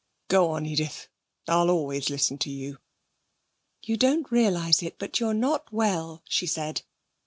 'Go on, Edith. I'll always listen to you.' 'You don't realise it, but you're not well,' she said.